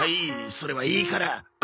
それはいいから！